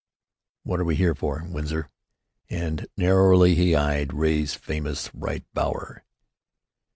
What are we here for, Winsor?" and narrowly he eyed Ray's famous right bower.